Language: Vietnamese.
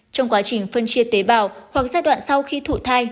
trong quá trình phân chia tế bào hoặc giai đoạn sau khi thụ thai